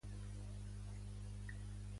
Si sabia manejar la ironia se'n sortiria més bé.